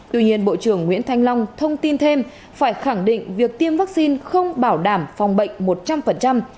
tuy nhiên bộ trưởng nguyễn thanh long thông tin thêm phải khẳng định việc tiêm vaccine không bảo đảm phòng bệnh một trăm linh